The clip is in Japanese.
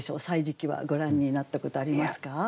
「歳時記」はご覧になったことありますか？